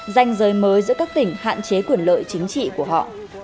danh giới mới giữa các tỉnh hạn chế quyền lợi chính trị của họ